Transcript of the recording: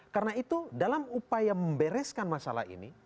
karena itu dalam upaya membereskan masalah ini